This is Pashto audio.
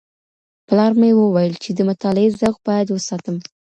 پلار مي وويل چي د مطالعې ذوق بايد وساتم.